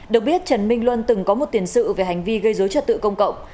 được biết trần minh luân từng có một tiền sự về hành vi gây dối trật tự công cộng